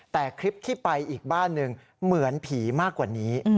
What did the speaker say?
แต่คลิปที่ไปอีกบ้านหนึ่งเหมือนผีมากกว่านี้